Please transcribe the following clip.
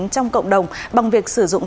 trong cộng đồng bằng việc sử dụng